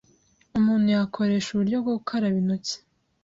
umuntu yakoresha uburyo bwo gukaraba intoki